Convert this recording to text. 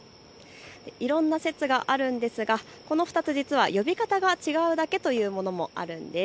いろんな説があるんですがこの２つ、実は呼び方が違うだけというものもあるんです。